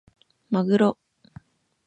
まぐろ